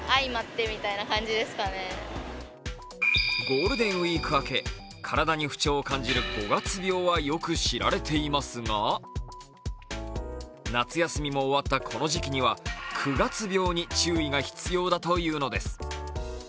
ゴールデンウイーク明け、体に不調を感じる５月病はよく知られていますが夏休みも終わったこの時期には９月病に注意が必要だというのです９